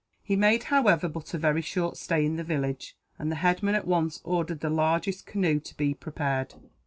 He made, however, but a very short stay in the village; and the headman at once ordered the largest canoe to be prepared.